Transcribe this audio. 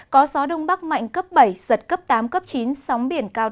có gió đông bắc mạnh cấp bảy giật cấp tám cấp chín